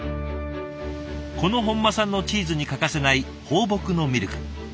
この本間さんのチーズに欠かせない放牧のミルク